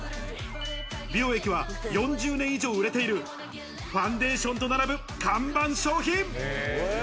美容液は４０年以上売れているファンデーションと並ぶ看板商品。